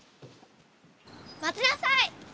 まちなさい！